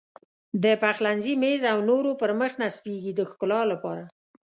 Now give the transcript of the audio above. د پخلنځي میز او نورو پر مخ نصبېږي د ښکلا لپاره.